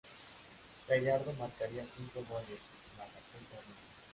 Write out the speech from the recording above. Gallardo marcaría cinco goles más aquel torneo.